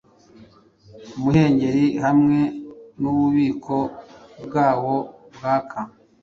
Umuhengeri hamwe nububiko bwawo bwaka,